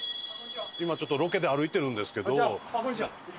今ちょっとロケで歩いてるんですけど。